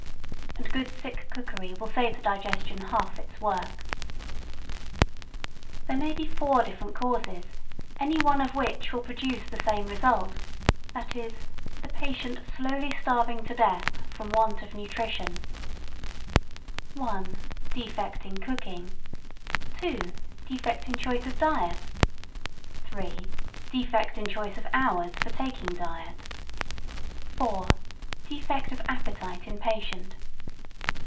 And good sick cookery will save the digestion half its work. There may be four different causes, any one of which will produce the same result, viz., the patient slowly starving to death from want of nutrition: 1. Defect in cooking; 2. Defect in choice of diet; 3. Defect in choice of hours for taking diet; 4. Defect of appetite in patient.